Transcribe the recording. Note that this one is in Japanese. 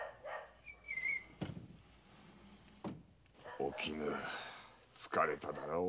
お絹疲れただろう。